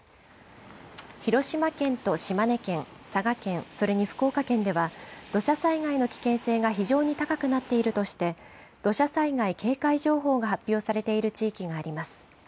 広島県と島根県、佐賀県、それに福岡県では、土砂災害の危険性が非常に高くなっているとして、土砂災害警戒情報が発表されている地域があります。